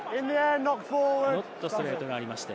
ノットストレートがありまして。